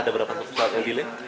ada berapa pesawat yang dilewat